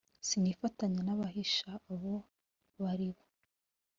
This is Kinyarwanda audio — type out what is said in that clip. sinifatanya n abahisha abo bari bo